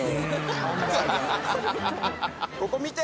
ここ見て！